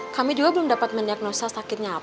kami juga belum dapat mendiagnosa sakitnya apa